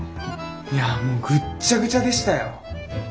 いやもうぐっちゃぐちゃでしたよ。